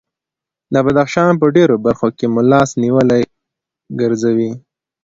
د بدخشان په ډېرو برخو کې مو لاس نیولي ګرځوي.